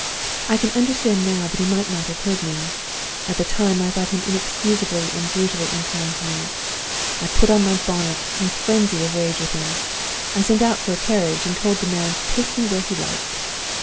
"I can understand now that he might not have heard me. At the time I thought him inexcusably and brutally unkind to me. I put on my bonnet, in a frenzy of rage with him; I sent out for a carriage, and told the man to take me where he liked.